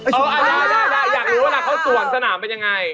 อ้าวอย่างนี้อยากรู้เวลาเขาสวนสนามเป็นอย่างไร